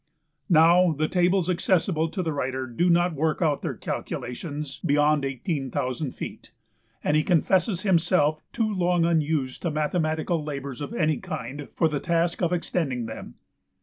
Now, the tables accessible to the writer do not work out their calculations beyond eighteen thousand feet, and he confesses himself too long unused to mathematical labors of any kind for the task of extending them.